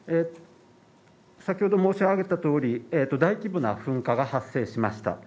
先ほど申し上げた通り大規模な噴火が発生しました。